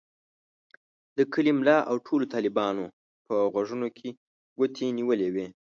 د کلي ملا او ټولو طالبانو په غوږونو کې ګوتې نیولې وې.